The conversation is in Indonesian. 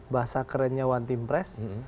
bahasa kerennya one team press